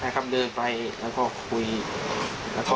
ครับเดินไปแล้วก็คุยแล้วก็